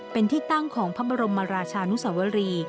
เป็นที่ตั้งของพระบรมราชานุสวรี